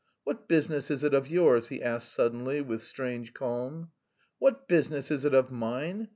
"What business is it of yours?" he asked suddenly with strange calm. "What business is it of mine?